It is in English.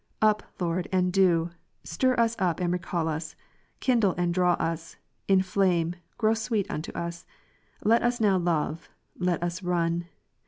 Up, Lord, and do ; stir us up, and recall us ; kindle and draw us ; inflame, grow sweet unto us ; let us now love, let us run.